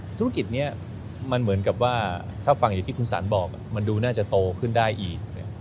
ธุรกิจนี้มันเหมือนกับว่าถ้าฟังอย่างที่คุณสารบอกมันดูน่าจะโตขึ้นได้อีก